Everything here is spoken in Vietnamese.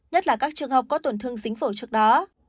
nhất là các trường học có tổn thương dính phổ trước đó